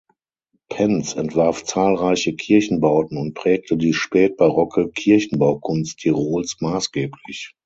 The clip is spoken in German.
Penz entwarf zahlreiche Kirchenbauten und prägte die spätbarocke Kirchenbaukunst Tirols maßgeblich.